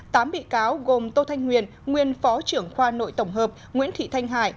tám bị cáo gồm tô thanh nguyên nguyên phó trưởng khoa nội tổng hợp nguyễn thị thanh hải